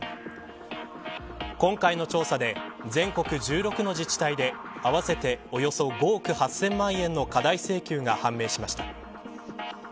今回の調査で全国１６の自治体で合わせておよそ５億８０００万円の過大請求が判明しました。